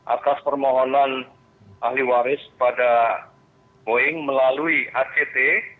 atas permohonan ahli waris pada boeing melalui act